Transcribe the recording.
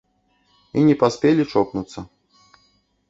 І не паспелі чокнуцца.